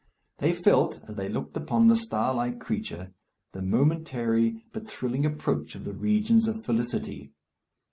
They felt, as they looked upon the star like creature, the momentary but thrilling approach of the regions of felicity.